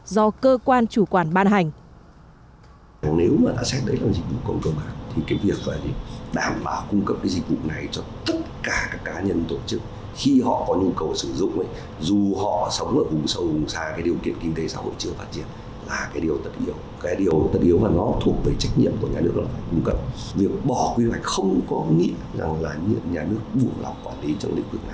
do cơ quan chủ trì soạn thảo